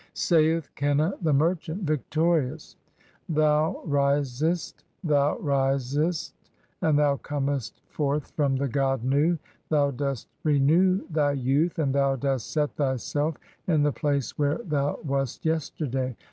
Saith Qenna the merchant, victorious: (12) "Thou risest, thou "risest, and thou comest forth from the god Nu. Thou dost re "new thy youth and thou dost set thyself in the place where thou "wast yesterday.